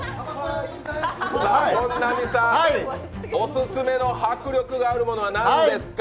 本並さん、オススメの迫力があるものは何ですか？